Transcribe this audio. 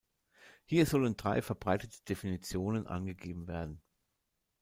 Hier sollen drei verbreitete Definitionen angegeben werden.